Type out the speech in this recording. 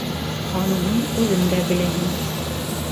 Аныһын үҙең дә беләһең.